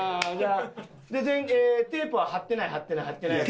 テープは貼ってない貼ってない貼ってない。